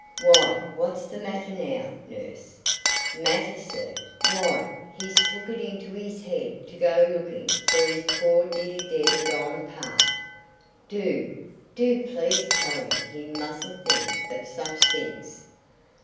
"Why, what's the matter now, nurse?" "Matter, sir! Why, he's took it into his head to go looking for his poor dear dead and gone pa. Do, do please tell him he mustn't think of such things."